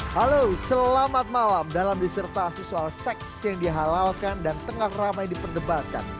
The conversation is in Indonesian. halo selamat malam dalam disertasi soal seks yang dihalalkan dan tengah ramai diperdebatkan